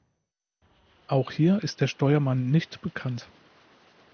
Auch hier ist der Steuermann nicht bekannt.